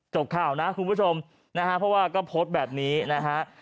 จบข่าวนะคุณผู้ชมนะฮะเพราะว่าก็โพสต์แบบนี้นะฮะ